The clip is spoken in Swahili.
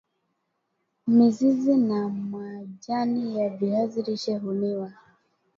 mizizi na majani ya viazi lishe huliwa